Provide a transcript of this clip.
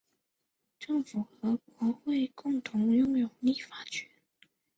政府和国会共同握有立法权。